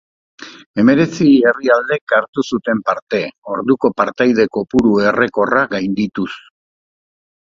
Hemeretzi herrialdek hartu zuten parte, orduko partaide kopuru errekorra gaindituz.